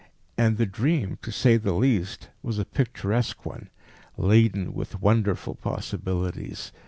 And the dream, to say the least, was a picturesque one, laden with wonderful possibilities.